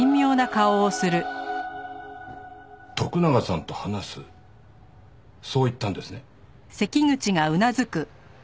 徳永さんと話すそう言ったんですね？